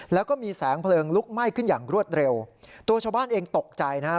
แล้วก็มีแสงเพลิงลุกไหม้ขึ้นอย่างรวดเร็วตัวชาวบ้านเองตกใจนะครับ